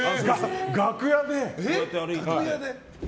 楽屋で。